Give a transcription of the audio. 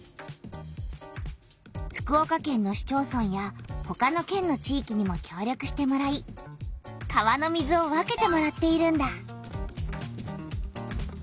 福岡県の市町村やほかの県の地いきにもきょう力してもらい川の水を分けてもらっているんだ。